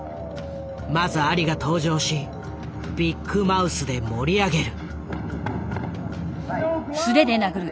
まずアリが登場しビッグマウスで盛り上げる。